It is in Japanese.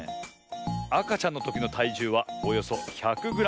あかちゃんのときのたいじゅうはおよそ１００グラム。